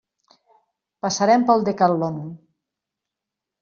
Passarem pel Decatlon.